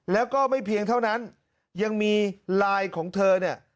แล้วก็ไม่เพียงเท่านั้นยังมีไลน์ของเธอเนี่ย